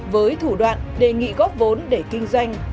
với thủ đoạn đề nghị góp vốn để kinh doanh